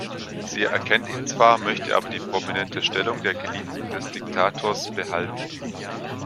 Sie erkennt ihn zwar, möchte aber die prominente Stellung der Geliebten des Diktators behalten.